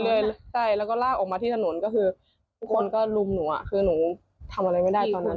และลากออกมาที่ถนนก็คือคุณก็ลุมหนูคือหนูทำอะไรไม่ได้ตอนนั้น